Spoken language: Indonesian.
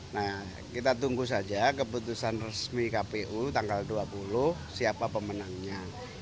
nah kita tunggu saja keputusan resmi kpu tanggal dua puluh siapa pemenangnya